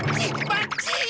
ばっちい！